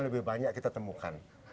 lebih banyak kita temukan